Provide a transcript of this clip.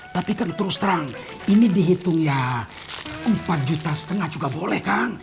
tapi kan terus terang ini dihitung ya rp empat lima juta juga boleh kang